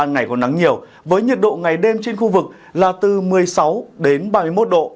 ngày còn nắng nhiều với nhiệt độ ngày đêm trên khu vực là từ một mươi sáu đến ba mươi một độ